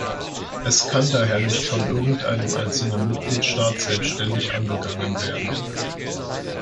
Es kann daher nicht von irgendeinem einzelnen Mitgliedstaat selbstständig angegangen werden.